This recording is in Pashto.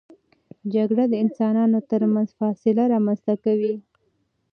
جګړه د انسانانو ترمنځ فاصله رامنځته کوي.